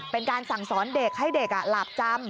เป็นการสั่งสอนเด็กให้เด็กหลาบจำ